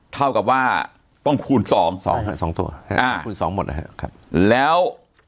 เท่ากับว่าต้องคูณ๒แล้ว